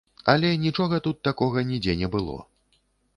Але нічога тут такога нідзе не было.